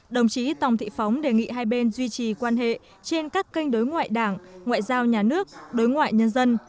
đồng chí tòng thị phóng đề nghị hai bên duy trì quan hệ trên các kênh đối ngoại đảng ngoại giao nhà nước đối ngoại nhân dân